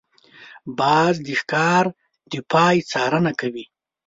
باز د ښکار د پای څارنه کوي